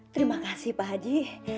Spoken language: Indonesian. terima kasih pak haji